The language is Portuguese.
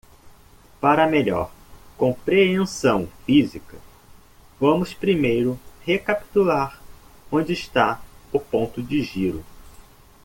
Para melhor compreensão física, vamos primeiro recapitular onde está o ponto de giro.